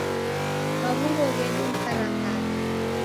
Maw'ungo ghedu ni karakara.